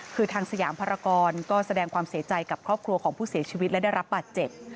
คือทางสยามภารกรก็แสดงความเสียใจกับครอบครัวของผู้เสียชีวิตและได้รับบาดเจ็บ